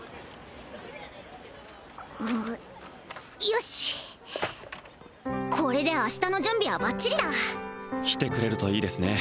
よしっこれで明日の準備はバッチリだ来てくれるといいですね